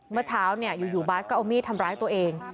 เมื่อเช้าอยู่บาสก็เอามีดทำร้ายตัวเอง